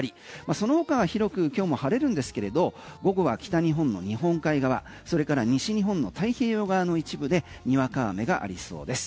その他広く今日も晴れるんですけれど午後は北日本の日本海側それから西日本の太平洋側の一部でにわか雨がありそうです。